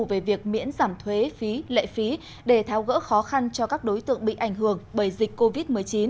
về việc miễn giảm thuế phí lệ phí để tháo gỡ khó khăn cho các đối tượng bị ảnh hưởng bởi dịch covid một mươi chín